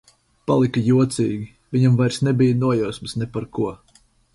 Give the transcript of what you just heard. Palika jocīgi. Viņam vairs nebija nojausmas ne par ko.